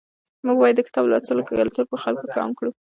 موږ باید د کتاب لوستلو کلتور په خلکو کې عام کړو.